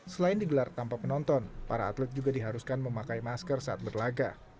selain digelar tanpa penonton para atlet juga diharuskan memakai masker saat berlaga